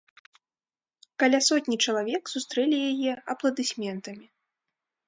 Каля сотні чалавек сустрэлі яе апладысментамі.